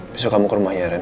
besok kamu ke rumah ya ren